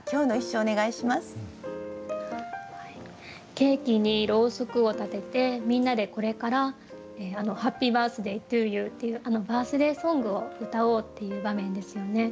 ケーキにろうそくを立ててみんなでこれからあの「ハッピーバースデートゥユー」っていうバースデー・ソングを歌おうっていう場面ですよね。